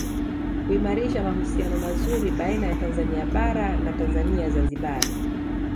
Kuimarisha mahusiano mazuri baina ya Tanzania Bara na Tanzania Zanzibar